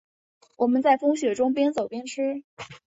我们在风雪中边走边吃